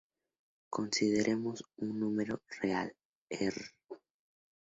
Consideremos un número real "r".